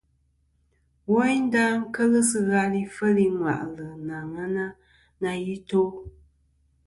Woynda kel sɨ ghal ifel i ŋwà'lɨ nɨ aŋen na i to.